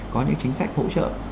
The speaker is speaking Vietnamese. có những chính sách hỗ trợ